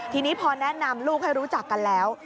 ทีนี้พอแนะนำลูกให้รู้จักกันแล้ว